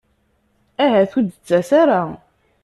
Ahat ur d-tettas ara.